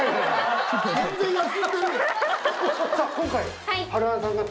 さぁ今回。